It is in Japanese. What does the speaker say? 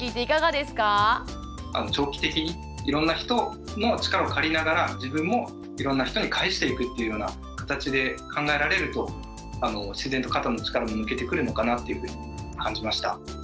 長期的にいろんな人の力を借りながら自分もいろんな人に返していくっていうような形で考えられると自然と肩の力も抜けてくるのかなっていうふうに感じました。